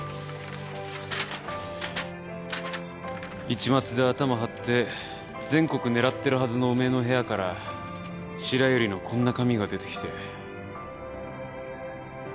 市松でアタマはって全国狙ってるはずのおめえの部屋から白百合のこんな紙が出てきて。